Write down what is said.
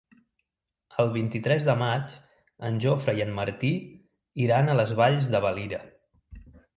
El vint-i-tres de maig en Jofre i en Martí iran a les Valls de Valira.